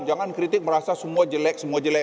jangan kritik merasa semua jelek semua jelek